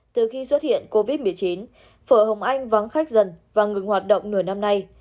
từ khi xuất hiện covid một mươi chín phở hồng anh vắng khách dần và ngừng hoạt động nửa năm nay